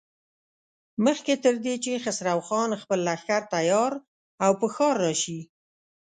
مخکې تر دې چې خسرو خان خپل لښکر تيار او پر ښار راشي.